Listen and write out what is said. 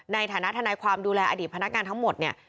ในฐานะทนายความดูแลอดีตพนักงานทั้งหมดเนี่ย